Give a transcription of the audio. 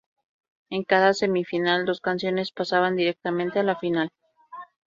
En cada semi-final, dos canciones pasaban directamente a la final.